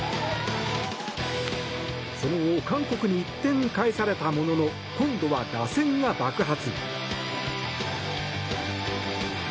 その後、韓国に１点返されたものの今度は打線が爆発。